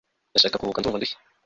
ndashaka kuruhuka ,ndumva ndushye